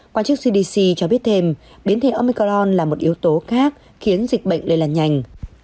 quan chức cdc cho biết thêm biến thể omicron là một yếu tố khác khiến dịch bệnh lây lan nhanh